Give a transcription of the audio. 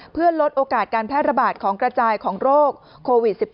เพื่อลดโอกาสการแพร่ระบาดของกระจายของโรคโควิด๑๙